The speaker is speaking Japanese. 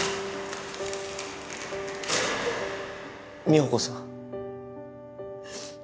美保子さん。